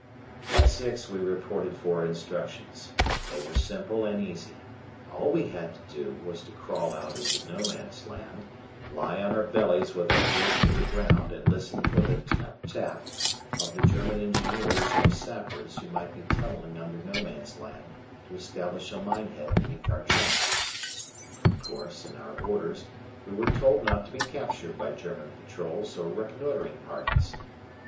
At six we reported for instructions. They were simple and easy. All we had to do was to crawl out into No Man's Land, lie on our bellies with our ears to the ground and listen for the tap tap of the German engineers or sappers who might be tunnelling under No Man's Land to establish a mine head beneath our trench. Of course, in our orders we were told not to be captured by German patrols or reconnoitering parties.